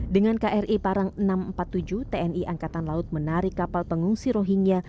dengan kri parang enam ratus empat puluh tujuh tni angkatan laut menarik kapal pengungsi rohingya